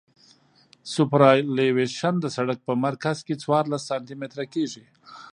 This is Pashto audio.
سوپرایلیویشن د سرک په مرکز کې څوارلس سانتي متره کیږي